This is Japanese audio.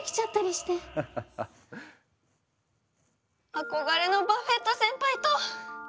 憧れのバフェット先輩と！